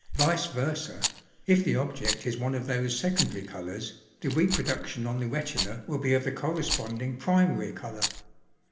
Vice vers├ó, if the object is one of those secondary[A] colours, the reproduction on the retina will be of the corresponding primary colour.